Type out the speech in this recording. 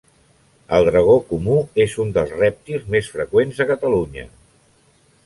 El dragó comú és un dels rèptils més freqüents a Catalunya.